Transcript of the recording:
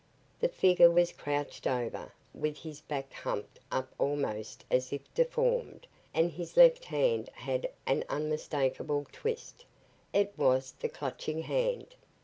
The figure was crouched over, with his back humped up almost as if deformed, and his left hand had an unmistakable twist. It was the Clutching Hand.